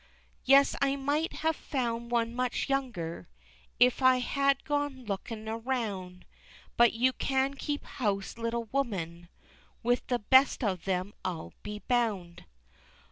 Yes, I might have found one much younger If I had gone lookin' around, But you can keep house, little woman, With the best of them, I'll be bound.